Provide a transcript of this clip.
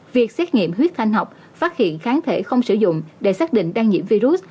việc xét nghiệm huyết thanh học phát hiện kháng thể không sử dụng để xác định đang nhiễm virus